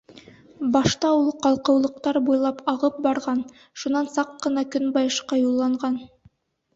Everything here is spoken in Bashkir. Башта ул ҡалҡыулыҡтар буйлап ағып барған, шунан саҡ ҡына көнбайышҡа юлланған.